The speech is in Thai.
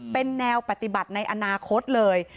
เป็นแนวปฏิบัติในอนาคตเลย